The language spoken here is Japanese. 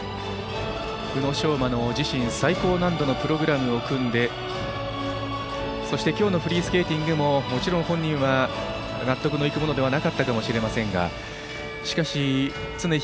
宇野昌磨の自身最高難度のプログラムを組んでそして今日のフリースケーティングももちろん本人は納得のいくものではなかったかもしれませんがしかし常